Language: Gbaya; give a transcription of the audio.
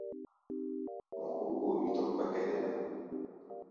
Mɔ kó kóo, wí tɔ̧́ kpɛ́kɛ́ɗɛ́ ná.